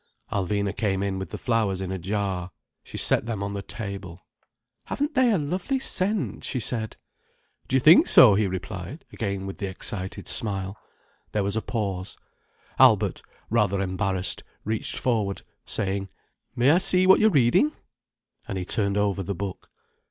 Alvina came in with the flowers in a jar. She set them on the table. "Haven't they a lovely scent?" she said. "Do you think so?" he replied, again with the excited smile. There was a pause. Albert, rather embarrassed, reached forward, saying: "May I see what you're reading!" And he turned over the book.